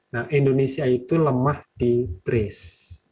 nah indonesia itu lemah di trace